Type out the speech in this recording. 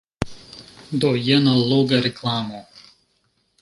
Do jen alloga reklamo.